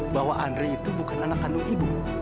bahwa andre itu bukan anak kandung ibu